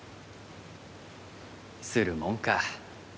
するもんか。